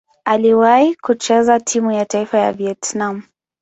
Aliwahi kucheza timu ya taifa ya Vietnam.